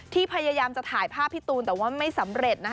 พยายามจะถ่ายภาพพี่ตูนแต่ว่าไม่สำเร็จ